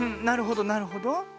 なるほどなるほど。